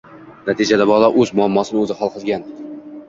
Natijada bola o‘z muammosini o‘zi hal qilgan.